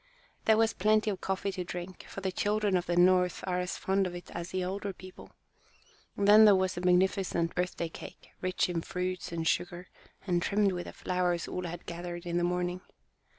There was plenty of coffee to drink, for the children of the North are as fond of it as the older people. Then there was the magnificent birthday cake, rich in the fruits and sugar, and trimmed with the flowers Ole had gathered in the morning.